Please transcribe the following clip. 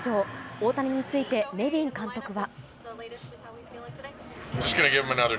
大谷についてネビン監督は。